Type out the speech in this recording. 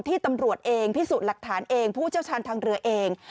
ตำรวจเองพิสูจน์หลักฐานเองผู้เชี่ยวชาญทางเรือเอง